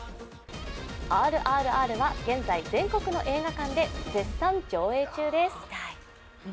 「ＲＲＲ」は、現在全国の映画館で絶賛上映中です。